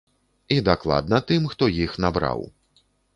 І дакладна тым, хто іх набраў.